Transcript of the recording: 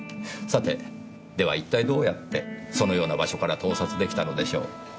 さてでは一体どうやってそのような場所から盗撮できたのでしょう？